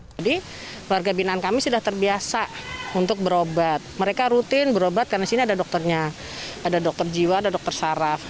jadi warga binaan kami sudah terbiasa untuk berobat mereka rutin berobat karena di sini ada dokternya ada dokter jiwa ada dokter saraf